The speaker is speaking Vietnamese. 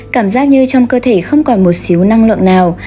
cảm giác như trong cơ thể không còn một xíu năng lượng nào